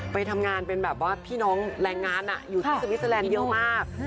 ไปทำงานเป็นแบบว่าพี่น้องแรงงานอยู่ที่สวิสเตอร์แลนด์เยอะมาก